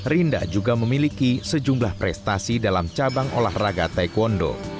rinda juga memiliki sejumlah prestasi dalam cabang olahraga taekwondo